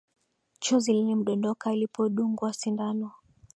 Chozi lilimdondoka alipodungwa sindano